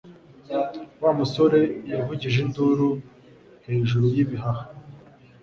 Wa musore yavugije induru hejuru y'ibihaha